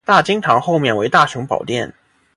大经堂后面为大雄宝殿。